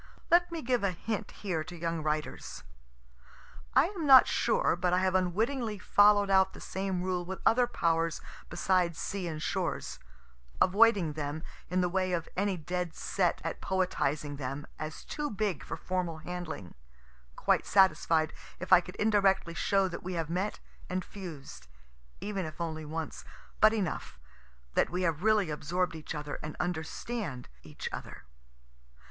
(Let me give a hint here to young writers. I am not sure but I have unwittingly follow'd out the same rule with other powers besides sea and shores avoiding them, in the way of any dead set at poetizing them, as too big for formal handling quite satisfied if I could indirectly show that we have met and fused, even if only once, but enough that we have really absorb'd each other and understand each other.)